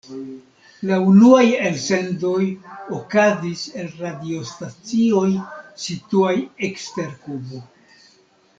La unuaj elsendoj okazis el radiostacioj situaj ekster Kubo.